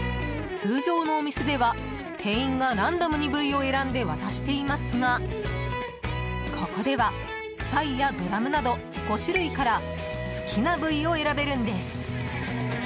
通常のお店では店員がランダムに部位を選んで渡していますがここではサイやドラムなど５種類から好きな部位を選べるんです。